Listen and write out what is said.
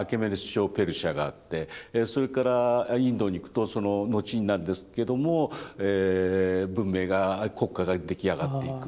朝ペルシャがあってそれからインドに行くとその後になるんですけども文明が国家が出来上がっていく。